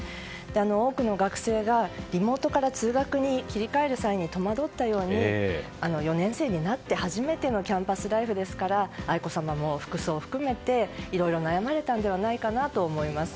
多くの学生がリモートから通学に切り替える際に戸惑ったように４年生になって初めてのキャンパスライフですから愛子さまも服装を含めていろいろ悩まれたのではないかなと思います。